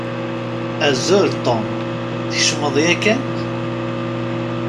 Azul, Tom, tkecmeḍ yakan?